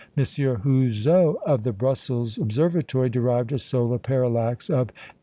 Houzeau, of the Brussels Observatory, derived a solar parallax of 8.